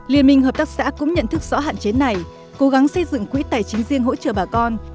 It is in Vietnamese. liên minh hợp tác xã cũng nhận thức rõ hạn chế này cố gắng xây dựng quỹ tài chính riêng hỗ trợ bà con